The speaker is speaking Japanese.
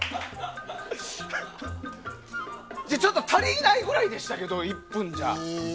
ちょっと足りないぐらいでしたけど１分じゃ。